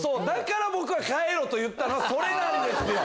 僕が変えろと言ったのはそれなんですよ。